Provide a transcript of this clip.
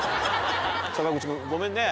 坂口君ごめんね。